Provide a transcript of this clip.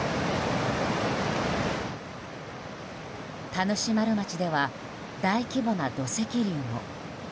田主丸町では大規模な土石流も。